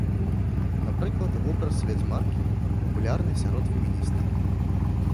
Напрыклад, вобраз вядзьмаркі папулярны сярод феміністак.